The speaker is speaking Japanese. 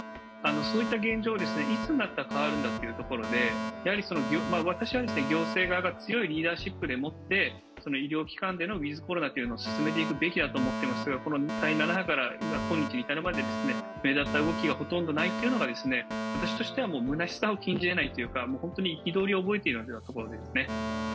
そういった現状はいつになったら変わるんだというところで、私は行政側が強いリーダーシップで医療機関でのウィズ・コロナを進めていくべきだと思っていますが第７波から今日に至るまで目立った動きがほとんどないのが私としてはむなしさを禁じえないというか本当に憤りを覚えているところですね。